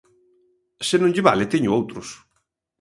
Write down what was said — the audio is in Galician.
Se non lle vale, teño outros.